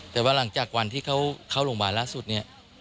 แต่ว่าหลังจากวันที่เขาเข้าโรงพยาบาลล่าสุดเนี่ย